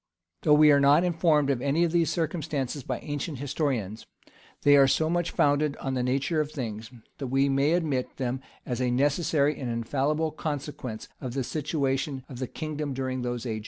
Though we are not informed of any of these circumstances by ancient historians, they are so much founded on the nature of things, that we may admit them as a necessary and infallible consequence of the situation of the kingdom during those ages.